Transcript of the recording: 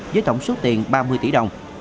với tổng số tiền ba mươi tỷ đồng